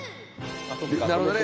なるほどね。